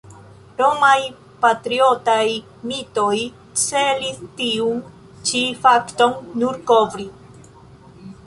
Romaj patriotaj mitoj celis tiun ĉi fakton nur kovri.